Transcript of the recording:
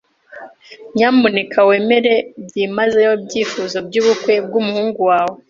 Nyamuneka wemere byimazeyo ibyifuzo byubukwe bwumuhungu wawe.